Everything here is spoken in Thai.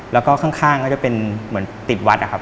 แล้วก็ข้างเขาจะเป็นเหมือนติดวัด